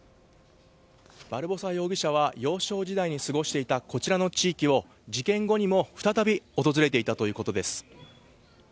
バルボサ容疑者は幼少時代に過ごしていたこちらの地域を事件後にも再び訪れていたということです。